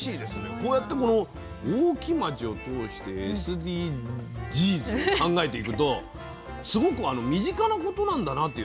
こうやって大木町を通してＳＤＧｓを考えていくとすごく身近なことなんだなという。